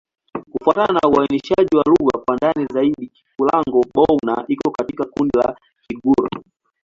Kufuatana na uainishaji wa lugha kwa ndani zaidi, Kikulango-Bouna iko katika kundi la Kigur.